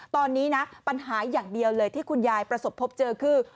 ตอนนี้นะปัญหาอย่างเดียวเลยที่คุณยายประสบพบเจอคือ